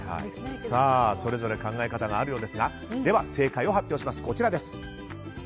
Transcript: それぞれ考え方があるようですが正解はこちらです。